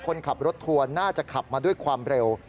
คนขับรถทัวร์น่าจะขับมาด้วยความเร็ว